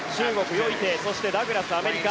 そしてダグラス、アメリカ。